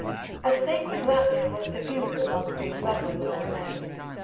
A sacred rapture was diffused amongst these reverend old men.